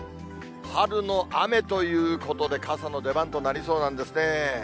春の雨ということで、傘の出番となりそうなんですね。